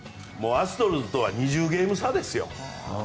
アストロズとは２０ゲーム差ですよ。